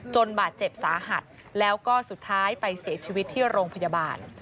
บาดเจ็บสาหัสแล้วก็สุดท้ายไปเสียชีวิตที่โรงพยาบาล